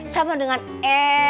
sama dengan e